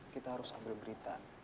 kita harus ambil berita